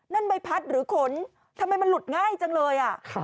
ใบพัดหรือขนทำไมมันหลุดง่ายจังเลยอ่ะ